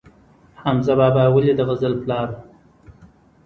حمزه بابا ولې د غزل پلار و؟